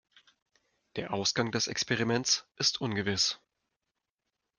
Der Ausgang des Experiments ist ungewiss.